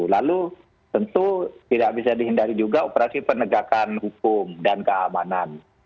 lalu tentu tidak bisa dihindari juga operasi penegakan hukum dan keamanan